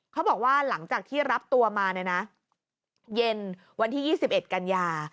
เขาบอกว่าหลังจากที่รับตัวมาเนี่ยนะเย็นวันที่๒๑กันยา